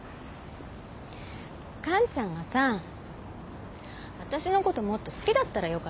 完ちゃんがさわたしのこともっと好きだったらよかったのにな。